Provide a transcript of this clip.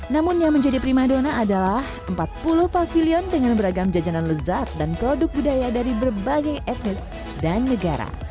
namun yang menjadi prima dona adalah empat puluh pavilion dengan beragam jajanan lezat dan produk budaya dari berbagai etnis dan negara